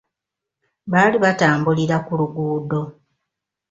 Baali batambulira ku luguudo.